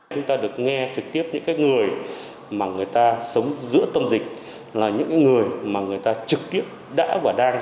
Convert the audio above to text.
chúng ta được nghe trực tiếp những người mà người ta sống giữa tâm dịch là những người mà người ta trực tiếp đã và đang